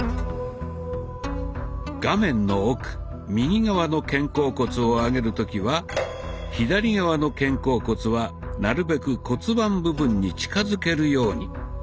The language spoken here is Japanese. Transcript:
画面の奥右側の肩甲骨を上げる時は左側の肩甲骨はなるべく骨盤部分に近づけるように。